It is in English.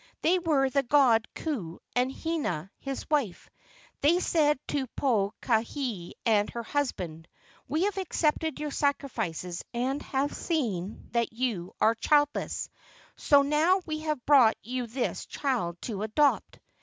They were the god Ku and Hina his wife. They said to Pokahi and her husband, "We have accepted your sacrifices and have seen that you are childless, so now we have brought you this child to adopt."